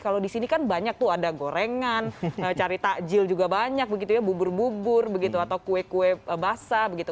kalau di sini kan banyak tuh ada gorengan cari takjil juga banyak begitu ya bubur bubur begitu atau kue kue basah begitu